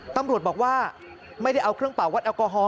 ตำรวจบอกว่าไม่ได้เอาเครื่องเป่าวัดแอลกอฮอล